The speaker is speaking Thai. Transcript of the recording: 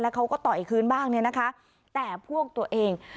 แล้วเขาก็ต่อยคืนบ้างแต่พวกตัวเอง